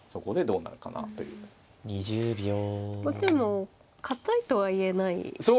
後手も堅いとは言えない形ですか。